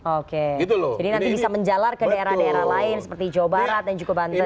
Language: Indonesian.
jadi nanti bisa menjelar ke daerah daerah lain seperti jawa barat dan joko banten